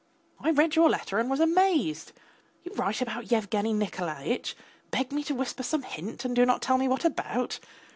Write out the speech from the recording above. I read your letter and was amazed. You write about Yevgeny Nikolaitch, beg me to whisper some hint, and do not tell me what about.